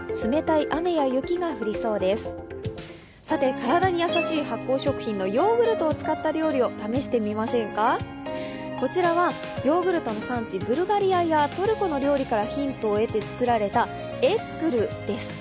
体に優しい発酵食品のヨーグルトを使った料理をこちらはヨーグルトの産地ブルガリアやトルコの料理からヒントを得て作られたエッグルです。